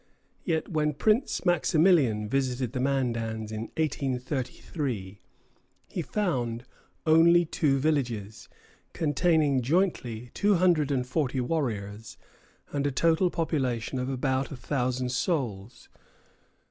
Yet when Prince Maximilian visited the Mandans in 1833, he found only two villages, containing jointly two hundred and forty warriors and a total population of about a thousand souls.